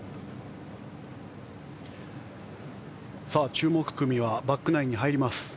注目組はバックナインに入ります。